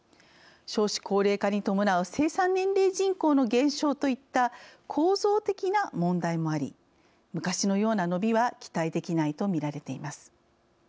少子高齢化に伴う生産年齢人口の減少といった構造的な問題もあり昔のような伸びは期待できないとみられています。